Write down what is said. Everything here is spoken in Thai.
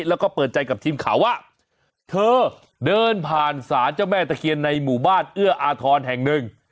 แล้วก็เปิดใจกับทีมข่าวว่าเธอเดินผ่านศาลเจ้าแม่ตะเคียนในหมู่บ้านเอื้ออาทรแห่งหนึ่ง